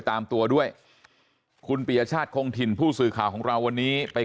ตามตัวด้วยคุณปียชาติคงถิ่นผู้สื่อข่าวของเราวันนี้ไป